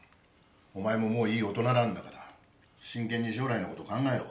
お前ももういい大人なんだから真剣に将来のこと考えろ。